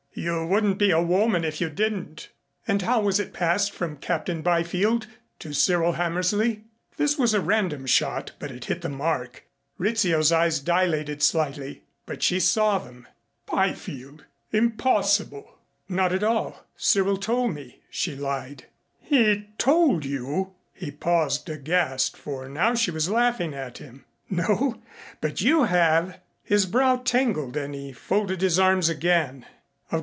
"You wouldn't be a woman if you didn't." "And how it was passed from Captain Byfield to Cyril Hammersley." This was a random shot but it hit the mark. Rizzio's eyes dilated slightly, but she saw them. "Byfield! Impossible." "Not at all. Cyril told me," she lied. "He told you ?" he paused aghast, for now she was laughing at him. "No but you have." His brow tangled and he folded his arms again.